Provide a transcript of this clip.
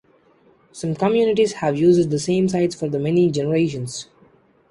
Some communities have used the same sites for many generations.